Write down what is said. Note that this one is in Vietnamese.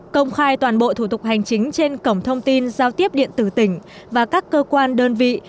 công khai toàn bộ thủ tục hành chính trên cổng thông tin giao tiếp điện tử tỉnh và các cơ quan đơn vị